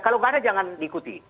kalau tidak ada jangan diikuti